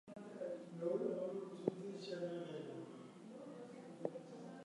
When Church started practicing, the Neoclassical style was still the predominant landscape design style.